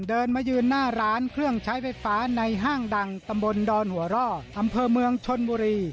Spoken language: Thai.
เดินมายืนหน้าร้านเครื่องใช้ไฟฟ้าในห้างดังตำบลดอนหัวร่ออำเภอเมืองชนบุรี